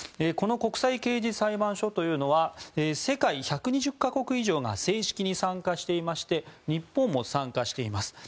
この国際刑事裁判所というのは世界１２０か国以上が正式に参加していまして日本も参加しています。